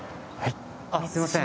あっすいません。